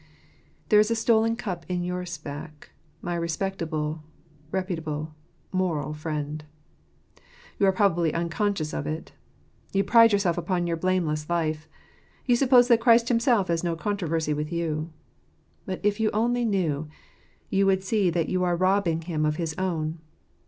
There is a stolen cup in your sack , my respectable, reputable, moral friend. You are probably unconscious of it. You pride yourself upon your blameless life. You suppose that Christ Himself has no controversy with you. But if you only knew, you would see that you are robbing Him of his own.